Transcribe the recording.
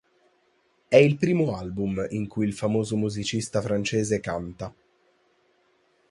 È il primo album in cui il famoso musicista francese canta.